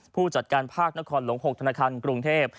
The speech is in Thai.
ผู้จัดการภาคนครหลวง๖ธนาคารกรุงเทพ